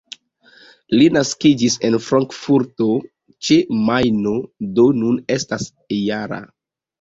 Li naskiĝis en Frankfurto ĉe Majno, do nun estas -jara.